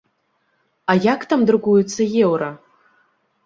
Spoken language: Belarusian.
А як там друкуюцца еўра?